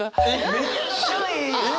めっちゃええ！